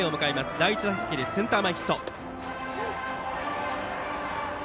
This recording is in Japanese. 第１打席でセンター前ヒット。